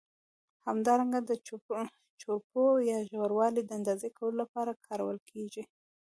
همدارنګه د چوړپو یا ژوروالي د اندازه کولو له پاره کارول کېږي.